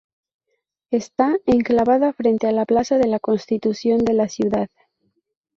Está enclavada frente a la plaza de la Constitución de la ciudad.